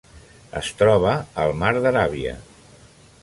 Es troba al mar d'Aràbia.